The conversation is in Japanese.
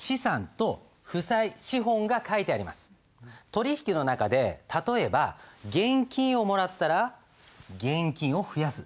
取り引きの中で例えば現金をもらったら現金を増やす。